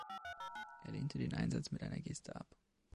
Er lehnte den Einsatz mit einer Geste ab.